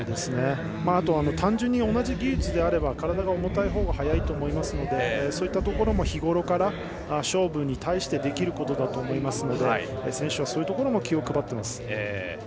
あとは単純に同じ技術なら体が重たいほうが速いと思いますのでそういったところも日ごろから勝負に対してできることだと思いますので選手は、そういうところにも気を配ってます。